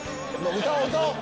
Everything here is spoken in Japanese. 歌おう歌おう